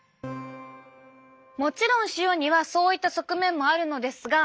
もちろん塩にはそういった側面もあるのですが。